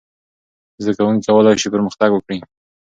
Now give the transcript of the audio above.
زده کوونکي کولای سي پرمختګ وکړي.